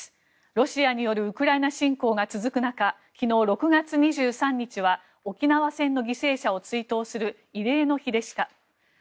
ロシアによるウクライナ侵攻が続く中昨日６月２３日は沖縄戦の犠牲者を追悼する慰霊の日でした。